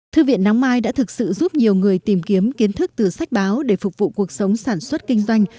thư viện nắng mai đã thực sự giúp nhiều người tìm kiếm kiến thức từ sách báo để phục vụ cuộc sống sản xuất kinh doanh